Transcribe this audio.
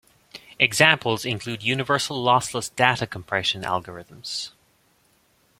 Examples include universal lossless data compression algorithms.